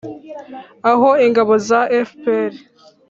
aho ingabo za fpr